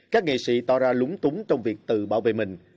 các nghệ sĩ tỏ ra lúng túng trong việc tự bảo vệ mình